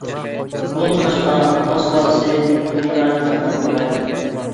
بۇنىڭدىن باشقا، تاڭ سۇلالىسى ئۇيغۇرلارنى تارمار قىلغانىدى.